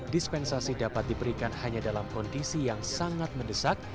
dispensasi dapat diberikan hanya dalam kondisi yang sangat mendesak